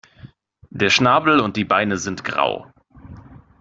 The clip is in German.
Der Schnabel und die Beine sind grau.